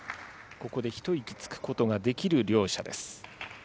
ここで一息つくことができる両者です。